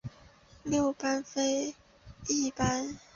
六各飞一班。